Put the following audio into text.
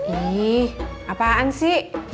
ih apaan sih